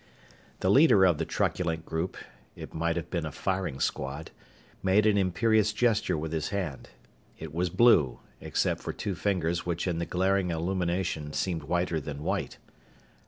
The leader of the truculent group it might have been a firing squad made an imperious gesture with his hand. It was blue, except for two fingers which in the glaring illumination seemed whiter than white.